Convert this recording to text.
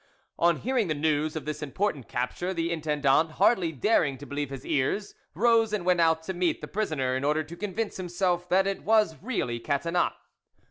On hearing the news of this important capture, the intendant, hardly daring to believe his ears, rose and went out to meet the prisoner, in order to convince himself that it was really Catinat.